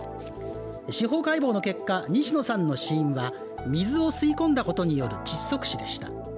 司法解剖の結果、西野さんの死因は水を吸い込んだことによる窒息死でした。